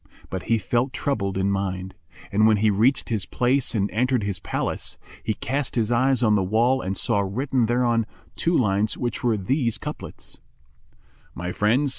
But he felt troubled in mind; and when he reached his place and entered his palace, he cast his eyes on the wall and saw written thereon two lines which were these couplets, "My friends!